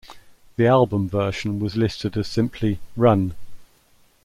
The album version was listed as simply "Run".